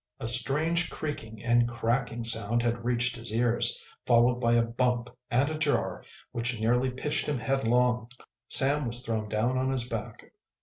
A strange creaking and cracking sound had reached his ears, followed by a bump and a jar which nearly pitched him headlong. Sam was thrown down on his back.